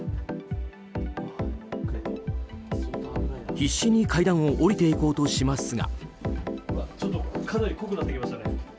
必死に階段を下りていこうとしますが。